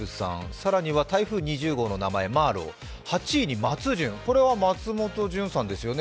更には台風２０号の名前、マーロウ８位にマツジュン、これは松本潤さんですよね。